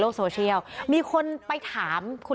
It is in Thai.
แล้วอันนี้ก็เปิดแล้ว